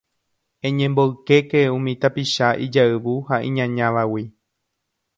Eñemboykéke umi tapicha ijayvu ha iñañávagui